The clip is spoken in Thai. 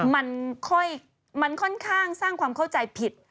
มันค่อนข้างสร้างความเข้าใจผิด